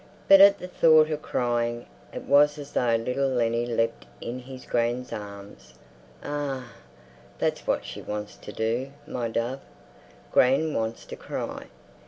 But at the thought of crying it was as though little Lennie leapt in his gran's arms. Ah, that's what she wants to do, my dove. Gran wants to cry.